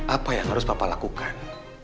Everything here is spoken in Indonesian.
apa yang harus bapak lakukan